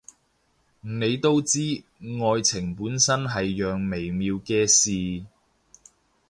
你都知，愛情本身係樣微妙嘅事